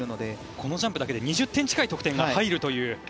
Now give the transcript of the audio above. このジャンプだけで２０点近い得点が入るという。